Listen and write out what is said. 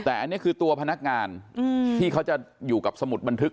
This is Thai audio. แต่อันนี้คือตัวพนักงานที่เขาจะอยู่กับสมุดบันทึก